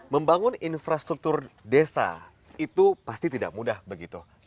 membangun infrastruktur desa itu pasti tidak mudah begitu